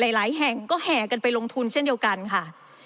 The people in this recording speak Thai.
หลายแห่งก็แห่กันไปลงทุนเช่นเดียวกันค่ะ